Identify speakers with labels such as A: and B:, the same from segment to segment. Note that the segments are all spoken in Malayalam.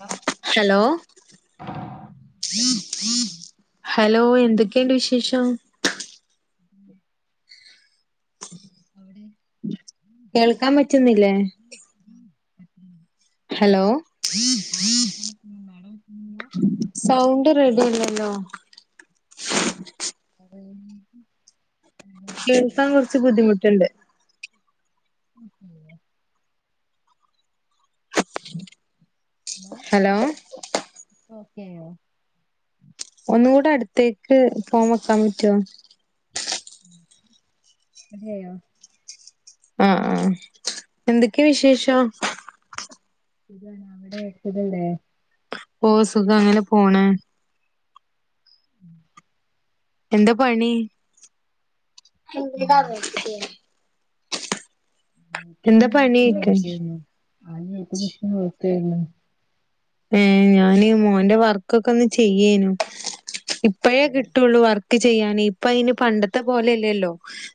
A: ഹലോ
B: ഹലോ ഹലോ എന്തൊക്കെയുണ്ട് വിശേഷം?
A: അവിടെ
B: കേൾക്കാൻ പറ്റുന്നില്ലേ
A: ഉം, പറ്റുന്നു.
B: ഹലോ
A: ആ കേൾക്കാൻ പറ്റുന്നു. മാഡം എത്തുന്നുണ്ടോ
B: സൗണ്ട് റെഡില്ലല്ലോ?
A: അത് എല്ലാവർക്കും
B: കേൾക്കാൻ കൊറച്ച് ബുദ്ധിമുട്ടുണ്ട്.
A: ഓക്കെ ആയോ?
B: ഹലോ
A: ഓകെആയേ?
B: ഒന്നുകൂടെ അടുത്തേക്ക് ഫോൺ വെക്കാൻ പറ്റോ?
A: റെഡിയായോ?
B: ആഹ ആഹ എന്തൊക്കെയ വിശേഷം
A: ഇരിവാണ് അവിടെ എത്തത്ണ്ടേ
B: ഓ സുഖം അങ്ങനെ പോണ
A: ഉം
B: എന്താ പണി ഇഞാ വ പണിയൊക്കെ
A: നോക്കിയ ആ ഉം
B: ഉം ഞാന് മോന്റെ വർകൊക്കെ ഒന്ന് ചെയ്യേനു ഇപ്പയേ
A: ഹലോ
B: കിട്ടുള്ളു വർക്ക് ചെയ്യാന് ഇപ്പ അതിന് പണ്ടത്തെ പോലെയല്ലല്ലോ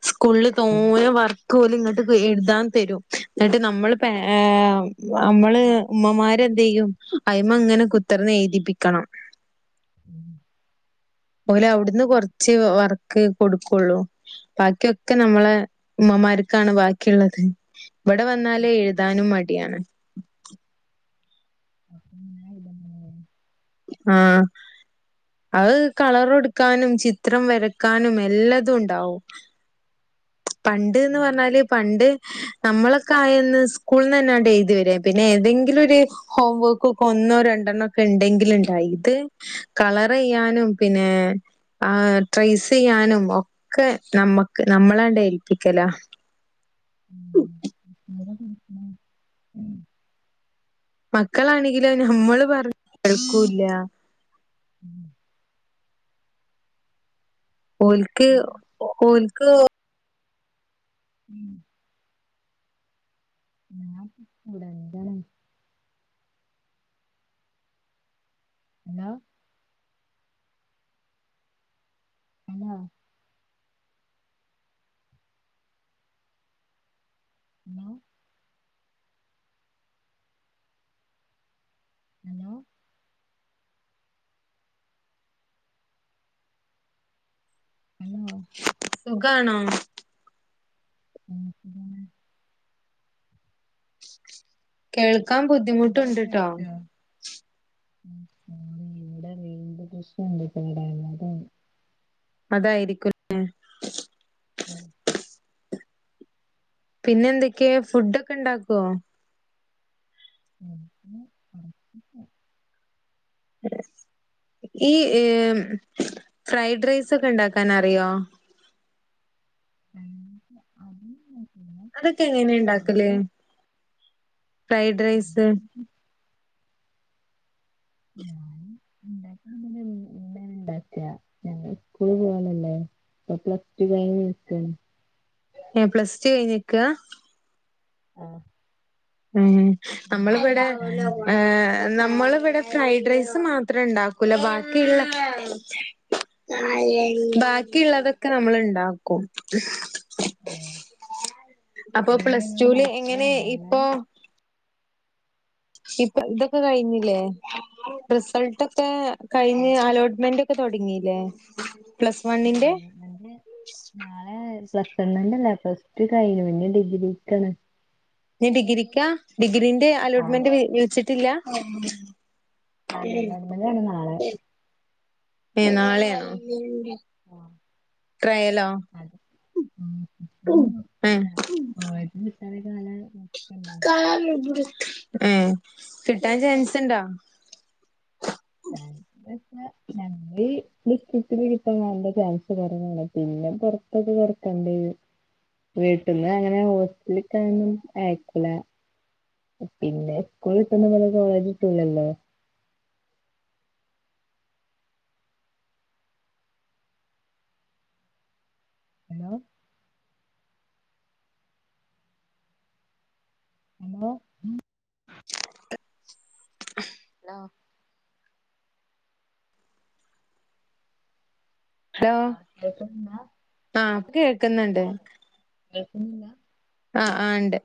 B: സ്കൂള്
A: ഹലോ
B: തോനെ വർ കോല് ഇങ്ങോട്ട് എഴുതാൻ തരും എന്നിട്ട് നമ്മൾ പെ നമ്മള് ഉമ്മമാരെന്ത്‌ ചെയ്യും അയിമ്മ ഇങ്ങനെ കുത്തിർന്ന് എഴുതിപ്പിക്കണം.
A: ഉം
B: പോലെ അവിടുന്ന് കൊറച്ച് വർക്ക് കൊടുക്കുള്ളൂ ബാക്കിയൊക്കെ നമ്മള് ഉമ്മമാർക്കാണ് ബാക്കിയുള്ളത്. ഇവിടെ വന്നാലേ എഴുതാനും മ ടിയാണ്
A: അപ്പ [unintelligible]
B: ആ അത് കളറ്കൊടുക്കാനും ചിത്രം വരക്കാനും എല്ലാതു ഉണ്ടാവും പണ്ട്ന്ന് പറഞ്ഞാല് പണ്ട് നമ്മളൊക്കെ ആയന്ന് സ്കൂളിന്ന് തന്നെയങ്ങോട്ട്‌ എഴുതി വരുവാരുന്നു പിന്നെ ഏതെങ്കിലും ഒരു ഹോം വർകൊക്കെ ഒന്നോ രണ്ടെണൊക്കെ ഉണ്ടെങ്കിലുണ്ടായി ഇത് കളർ ചെയ്യാനും പിന്നെ ആ ട്രൈസ് ചെയ്യാനും ഒക്കെ നമ്മുക്ക് നമ്മളാണ്ട യിപ്പിക്കല
A: ഉം ഉം [unintelligible] ഉം
B: മക്കളാണെങ്കിലും നമ്മള് പറഞ്ഞ കേക്കൂല്ല ഓൽക്ക് ഓൽ [unintelligible]
A: ഉം വിടണ്ടേ ഉം ഉം ഇന്നോ
B: സുഖാണോ
A: [unintelligible]
B: കേൾ ക്കാൻ
A: ഫുഡൊക്കെ
B: ബുദ്ധിമുട്ടുണ്ട്ട്ടോ
A: കഴിച്ചോ? ഇവിടെ വീണ്ടും [unintelligible] കേടായത് അതാണ്
B: അതായിരിക്കും ഉം
A: ഉം
B: പിന്നെന്തൊക്കെയ ഫുഡൊക്കെ ഉണ്ടാക്കുവോ
A: [unintelligible]
B: ഈ ഫ്രൈഡ് റൈസ് ഒക്കെ ഉണ്ടാക്കാൻ അറിയോ?
A: എനിക്ക് അറിയില്ല
B: അതൊക്കെ എങ്ങനെണ്ടാക്കല് ഫ്രൈഡ് റൈസ്
A: ഞാൻ ഞാന്ണ്ടാക്കലൊന്നുല ഇമ്മേണണ്ടാക്കാ ഞങ്ങള്സ്ക്കൂള് പോവാള്ളല്ലേ ഇപ്പൊ പ്ലസ്റ്റു കഴിഞ്ഞ് നിക്കാണ്
B: ഏ പ്ലസ് ടു കഴിഞ്ഞിക്കാ
A: ആ
B: ഉം നമ്മളിവിടെ ഒരു
A: കിട്ടാറുണ്ട്
B: ന നമ്മളിവിടെ ഫ്രൈഡ്രൈസ് മാത്രേണ്ടാക്കുള്ളൂ ബാക്കിയുള്ള ബാക്കിയുള്ളതൊക്കെ നമ്മള്ണ്ടാക്കും
A: ഓ,
B: അപ്പൊ
A: എവിടെ
B: പ്ലസ്
A: നിങ്ങള്
B: ടൂല് എങ്ങനെ
A: മലപ്പുറാണോ
B: ഈ
A: ഉള്ളേ?
B: ഇപ്പ ഇതൊക്കെ കഴിഞ്ഞില്ലേ റിസൾട്ടൊക്കേ കഴിഞ്
A: ആഹ്
B: അലോട്ട്മെന്റ് ക്കെ തൊട്ങ്ങീലേ
A: അതോണ്ടന്നെ നാളെ പ്ലസ് വണ്ണിൻ്റല്ല പ്ലസ്ടു കഴിഞ്ഞു പിന്നെ ഡിഗ്രിക്കണ്
B: നീ ഡിഗ്രിക്കാ ഡിഗ്രിൻ ൻ്റെ
A: ആഹ്
B: അലോട്ട്മെന്റ് വിളിച്ചി ട്ടില്ലാ
A: അലോട്മെന്റാണ് നാളെ
B: ഏ നാളെയാണോ ട്രയലോ
A: അത്
B: ഉം
A: ശരി
B: ഏ കിട്ടാൻ ചാൻസ്ണ്ടോ
A: ആ [unintelligible] ഞ ഞങ്ങള് ഡിസ്ട്രിക്റ്റില് കിട്ട നല്ല ചാൻസ് കുറവാണ് പിന്നെ പൊറത്തൊക്കെ കൊട്ക്കണ്ടിരും വീട്ടിന്ന് അങ്ങനെ ഹോസ്റ്റല്ക്കൊന്നും അയക്കൂല പിന്നെ സ്കൂള് കിട്ടുന്ന പോലെ കോളേജ് കിട്ടൂലല്ലോ ഹലോ ഹലോ ഉം ആഹ്
B: ഹലോ
A: ആ കേൾക്ക്ന്ന്ണ്ടാ
B: കേ ക്ക്ന്ന്ണ്ട്
A: കേൾകുന്നുണ്ട്
B: ആ ആ ണ്ട്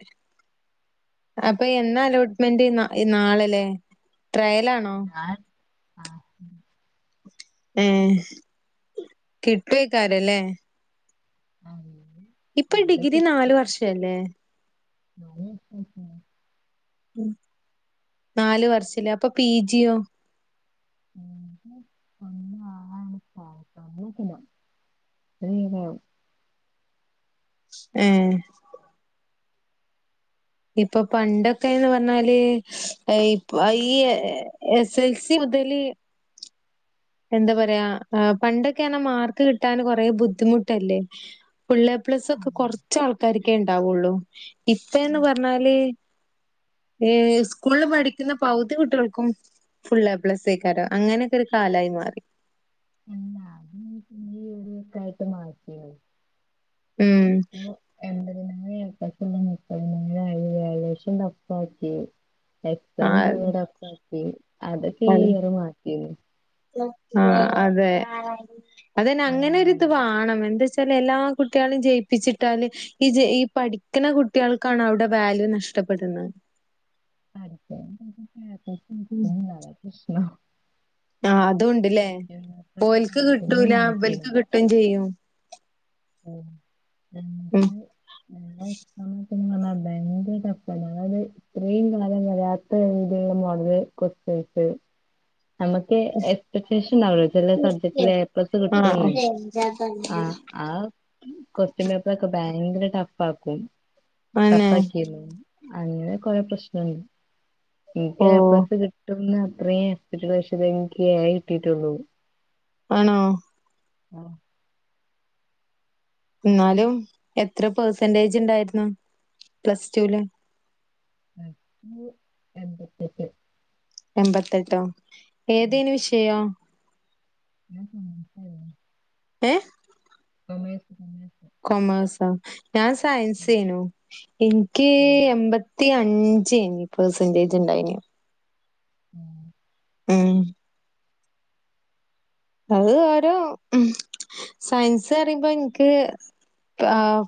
B: അപ്പൊ എന്നാ അലോട്ട്മെന്റ് എ നാളലെ ട്രയലാണോ
A: ഞാൻ ആഹ്
B: ഏ കിട്ടുഐക്കാരം ല്ലേ
A: ഹായി
B: ഇപ്പ ഡിഗ്രി നാലു വർഷല്ലേ
A: നാല് വർഷാക്കിയാ
B: നാല് വർഷല്ലേ അപ്പൊ പിജിയോ
A: [inaudible]
B: ഏഹ് ഇപ്പൊ പണ്ടൊക്കേന്ന് പറഞ്ഞാല് എയിപ് അ ഈ എ എസ്സെൽ സി മുതല് എന്താ പറയാ പണ്ടൊക്കെയറഞ്ഞാ മാർക്ക് കിട്ടാന് കൊറേ ബുദ്ധിമുട്ടല്ലേ ശ് ഫുള്ളേ പ്ലസൊക്കെ കൊറച്ചാൾക്കാര്ക്കേ ഇണ്ടാവൊള്ളൂ ഇപ്പേന്ന് പറഞ്ഞാല് ഏ സ്കൂള്ള് പഠിക്കുന്ന പൗതി കുട്ടികൾക്കും ഫുള്ളേ പ്ലസയിക്കാരം അങ്ങനെയൊക്കെ ഒരു കാലായി മാറി
A: അല്ലാ അത് ഈയൊരു വട്ടായിട്ട് മാറ്റീണ്
B: ഉം
A: ഫുൾ എ പ്ലസുള്ളത് മുപ്പതിനായിരായി വാല്യുവേഷൻ ടഫാക്കി എക്സാം
B: ആഹ്
A: പൊതുവെ ടഫാക് കി അതൊക്കെ ഈ
B: അതെ
A: ഇയർ മാറ്റീന്
B: ആഹ് അതെ അതന്നെ അങ്ങനെ ഒരിത്
A: ഞങ്ങള്
B: വാണം എന്തച്ചാൽ ലെല്ലാ കുട്ടികളിനേം ജയിപ്പിച്ചിട്ടാല് ഈ ജെ ഈ പഠിക്കുന്ന കുട്ടികള്ക്കാണ് അവിടെ വാല്യൂ നഷ്ടപ്പെടുന്നത്
A: [unintelligible] [unintelligible] പ്രശ്നം
B: ആഹ് അതൂണ്ട്ല്ലേ ഓൽക്ക്
A: ഒക്കെ
B: കിട്ടൂല ഇവൽക്ക് കിട്ടും ചെയ്യും
A: ഉം
B: ഉം
A: ന്ന് പറഞ്ഞ ഭയങ്കര ടഫ്ഫാ ഞങ്ങളത് ഇത്രയും കാലം വരാത്തൊരു രീതിയില്ള്ള മോഡല് ക്വസ്റ്റ്യൻസ് നമ്മക്ക് എക്സ്പെക്ടേഷൻണ്ടാവുല്ലോ ചെല സബ്ജക്റ്റില് എ പ്ലസ്സ്
B: ആഹ്
A: കിട്ടുംന്ന് ആ ആ ക്വസ്റ്റ്യൻ പേപ്പറൊക്കെ ബാ യങ്കര ടഫ്ഫാക്കും
B: അന്നെ
A: ടഫ്ഫാക്കിയിരുന്നു അങ്ങനെ കൊറേ പ്രശ്നണ്ട് ഇൻക്ക്
B: ഓ
A: ഏ പ്ലസ് കിട്ടും ന്ന് ഇത്രയും [unintelligible] ഇൻക്ക് ഏ കിട്ടീട്ടുള്ളൂ
B: ആണോ
A: ആഹ്
B: എന്നാലും എത്ര പെർസെന്റേജിണ്ടായിരുന്നു പ്ലസ്ടൂല്
A: പ്ലസ്റ്റു എൺപത്തെട്ട്
B: എൺമ്പത്തെട്ടോ? ഏതേനു വിഷയം.
A: ഞാൻ സയൻസായ്രുന്നു
B: ഏ
A: കൊമേയ്‌സ് [unintelligible]
B: കൊമെർസോ? ഞാൻ സയൻസേനു ഇൻക്ക്
A: ഓ
B: എൺമ്പത്തിയ അഞ്ചേനി പെർസെന്റേജ് ഉണ്ടായിനിയ്
A: ആ
B: ഉം അത് ഓരോ ഉം സയൻസ് പറുമ്പോ എൻക്ക്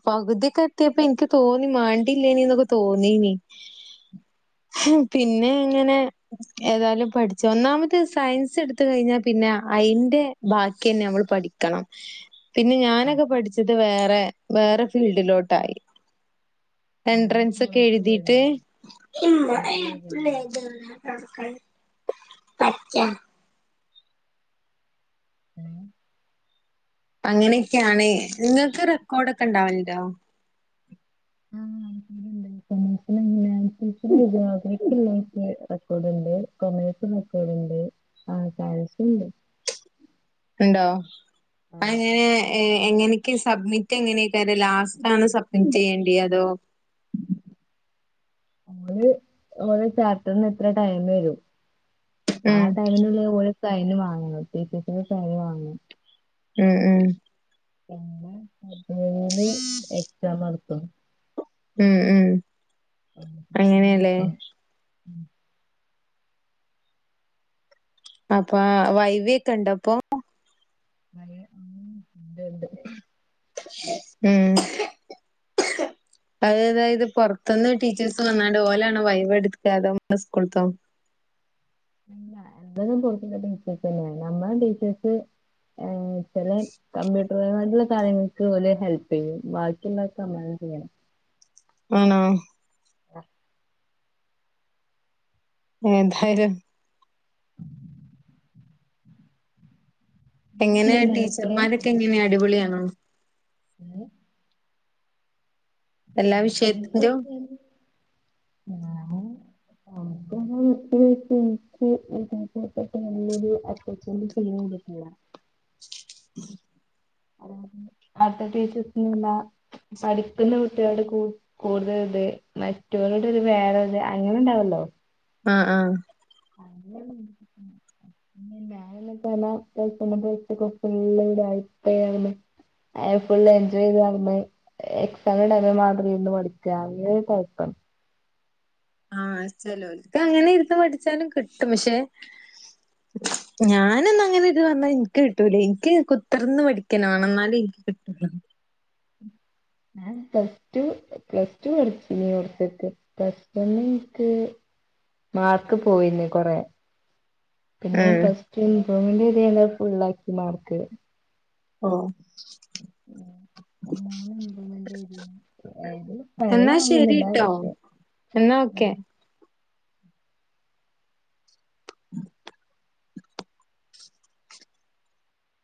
B: പകുതിക്കെ എത്തിയപ്പോ എൻക്ക് തോന്നി മാണ്ടില്ലേനിന്നൊക്കെ തോന്നിനി പിന്നെ ഇങ്ങനെ ഏതായാലും പഠിച്ച ഒന്നാമത് സയൻസ് എടുത്ത കഴിഞ്ഞാ പിന്ന അയിന്റെ ബാക്കി തന്നെ നമ്മൾ പഠിക്കണം. പിന്നെ ഞാനൊക്കെ
A: അതാ
B: പഠിച്ചത് വേറെ വേറെ ഫീൽഡിലോട്ടായി.
A: നിങ്ങൾ
B: എൻട്രൻസ് ഒക്കെ
A: കോളേജ്
B: എഴുതിട്ട്
A: പോയിരുന്നോ ഡിഗ്രി ചെയ്തിരുന്നോ
B: [unintelligible] അച്ച
A: ഉം
B: അങ്ങനെയൊക്കെയാണ് നിങ്ങൾക്ക് റെക്കോർഡ്ക്കെ ഉണ്ടാവല് ല്ലോ
A: ആ ഇണ്ട് ണ്ട് [unintelligible] [unintelligible] നോക്കലുണ്ട് കൊമേഴ്സ് നോക്കലുണ്ട് ആ സയൻസ്ണ്ട്
B: ഉണ്ടോ അങ്ങനെ ഏ എങ്ങനക്കേ സബ്മിറ്റ് എങ്ങനെയക്കാരം ലാസ്റ്റ് ആണ് സബ്മിറ്റ് ചെയ്യേണ്ടി അതോ?
A: ഓല് ഓല് ചപ്പ്റ്ററിന് ഇത്ര ടൈം തരും ആ
B: ഉം
A: ടൈമിനുള്ളിൽ ഓല് സൈന് വാങ്ങണം ടീച്ചേഴ്‌സിന്റെ സൈന് വാങ്ങണം
B: ഉം ഉം
A: [unintelligible] മേയില് എക്സാമാണ്. അ
B: ഉം ഉം
A: [unintelligible]
B: അങ്ങനെയല്ലേ
A: ഉം
B: അപ്പ വൈവെക്കെ ഇണ്ടോ ഇപ്പൊ?
A: വൈ ഉം ഇണ്ട് ഇണ്ട്.
B: ഉം അതായത് പുറത്ത്ന്ന് ടീച്ചേഴ്സ് വന്നാണ്ട് ഓലാണോ വൈവെ എടുക്ക അതോ ങ്ങളെ സ്കൂളത്തോ?
A: ഇല്ല എന്തയാലും പൊറത്തുന്നുള്ള ടീച്ചേഴ്‌സ് തന്നെയാണ് നമ്മളെ ടീച്ചേഴസ് ചില കമ്പ്യൂട്ടർ പരമായിട്ടുള്ള കാര്യങ്ങൾക്ക് ഓല് ഹെല്പ് ചെയ്യും ബാക്കിയുള്ളതക്കെ നമ്മളന്നെ ചെയ്യണം.
B: ആണോ?
A: ആ
B: എന്തായാലും എങ്ങനെ
A: നിങ്ങടെ മലപ്പുറം
B: ടീച്ചർമാരൊക്കെങ്ങനെ അടിപൊളിയാ ആ
A: ഉം
B: എല്ലാ വിഷയത്തിന്റെയും
A: [unintelligible] ഞാന് [unintelligible] കിട്ടില്ല അതായത് അടുത്ത [unintelligible] പഠിക്കുന്ന കുട്ടികളോട് കൂടുതൽ ഇത് മറ്റുള്ളവരോട് വേറെ ഇത് അങ്ങനെ ഉണ്ടാവല്ലോ
B: ആ ആ
A: [unintelligible] കൊഴപ്പം
B: ആ ചെലോർക്ക് അങ്ങനെ ഇരുന്ന് പഠിച്ചാലും കിട്ടും പക്ഷെ ഞാനൊന്നും അങ്ങനെ ഇരുന്നാൽ എനിക്ക് കിട്ടൂല എനിക്ക്‌ കുത്തിയിരുന്നു പഠിക്കലാണ് എന്നാലെ എനിക്ക് കിട്ടൂള്ളു
A: ഞാൻ പ്ലസ് ടു പ്ലസ് ടു പഠിച്ച [unintelligible] പ്ലസ്റ്റൂന് എനിക്ക് മാർക്ക് പോയീനി കൊറെ പിന്നെയും
B: ഉം
A: പ്ലസ്റ്റു ഒന്നൂടി എഴുതി ഫുള്ളാക്കി മാർക്ക്
B: ഓ
A: മൂന്ന് ഇമ്പ്രൂവ്മെന്റ് എഴുതീന് ഏതിലും
B: എന്നാ
A: ഫെയിലാവുന്നില്ല
B: ശരിട്ടോ
A: പക്ഷെ
B: എന്നാ ഓക്കെ ഉം